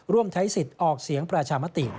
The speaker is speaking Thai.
ร่วมใช้สิทธิ์ออกเสียงประชามติ